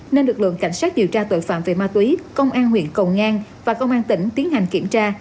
nên lực lượng cảnh sát điều tra tội phạm về ma túy công an huyện cầu ngang và công an tỉnh tiến hành kiểm tra